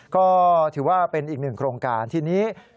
ก็ถือว่าเป็นอีกหนึ่งโครงการทีนี้